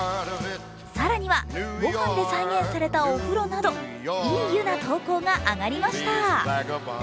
更には御飯で再現されたお風呂などいい湯な投稿が上がりました。